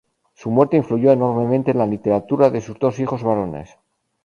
Su muerte influyó enormemente en la literatura de sus dos hijos varones.